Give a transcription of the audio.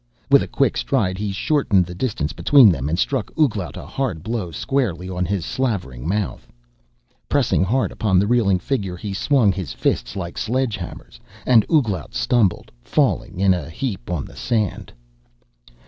With a quick stride he shortened the distance between them and struck Ouglat a hard blow squarely on his slavering mouth. Pressing hard upon the reeling figure, he swung his fists like sledge hammers, and Ouglat stumbled, falling in a heap on the sand.